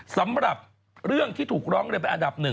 สำหรับเรื่องที่ถูกร้องเรียนเป็นอันดับ๑